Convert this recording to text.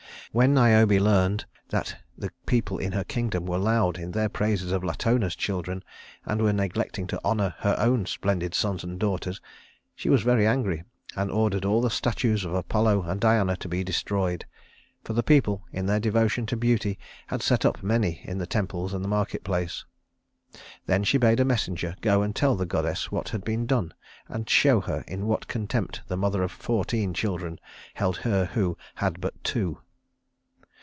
When Niobe learned that the people in her kingdom were loud in their praises of Latona's children, and were neglecting to honor her own splendid sons and daughters, she was very angry and ordered all the statues of Apollo and Diana to be destroyed; for the people, in their devotion to beauty, had set up many in the temples and the market place. Then she bade a messenger go tell the goddess what had been done, and show her in what contempt the mother of fourteen children held her who had but two.